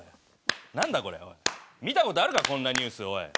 何だ、これ見たことあるかこんなニュース。